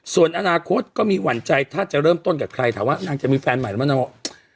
ส่วนอนาคตก็มีหวั่นใจถ้าจะเริ่มต้นกับใครถามว่านางจะมีแฟนใหม่แล้วไหมนางบอก